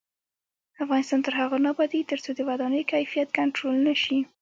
افغانستان تر هغو نه ابادیږي، ترڅو د ودانیو کیفیت کنټرول نشي.